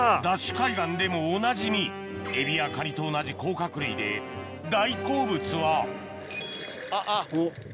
海岸でもおなじみエビやカニと同じ甲殻類で大好物はあっあっ。